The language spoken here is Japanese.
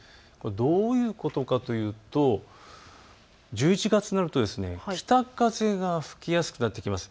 どういうことかというと１１月になると北風が吹きやすくなってきます。